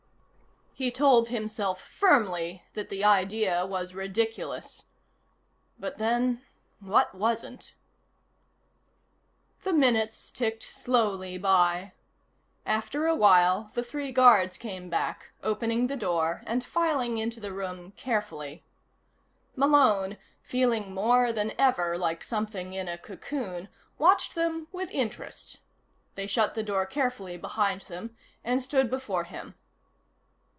He told himself firmly that the idea was ridiculous. But, then, what wasn't? The minutes ticked slowly by. After a while the three guards came back, opening the door and filing into the room carefully. Malone, feeling more than ever like something in a cocoon, watched them with interest. They shut the door carefully behind them and stood before him.